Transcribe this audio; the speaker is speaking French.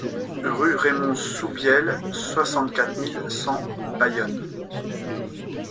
Rue Raymond Sousbielle, soixante-quatre mille cent Bayonne